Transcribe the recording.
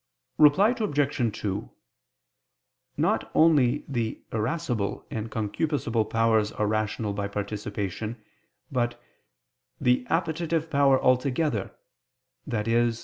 Reply Obj. 2: Not only the irascible and concupiscible powers are rational by participation but "the appetitive power altogether," i.e.